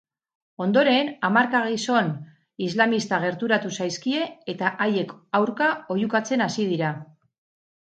Ondoren hamarka gizon islamista gerturatu zaizkie eta haiek aurka oihukatzen hasi dira.